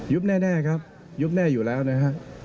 ยุบแน่ครับยุบแน่อยู่แล้วนะครับ